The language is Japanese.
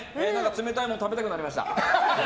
冷たいもの食べたくなりました。